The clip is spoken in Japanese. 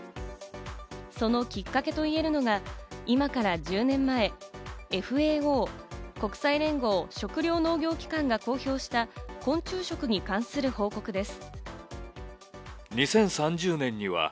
そのきっかけといえるのが、今から１０年前、ＦＡＯ＝国際連合食糧農業機関が公表した昆虫食に関する報告です。